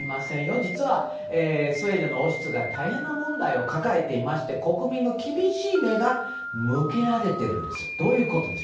実は、スウェーデン王室は大変な問題を抱えていまして国民の厳しい目が向けられているんです。